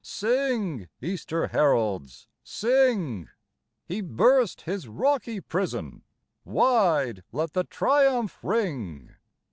Sing, Easter heralds, sing ! He burst His rocky prison : Wide let the triumph ring.